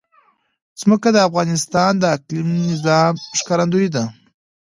ځمکه د افغانستان د اقلیمي نظام ښکارندوی ده.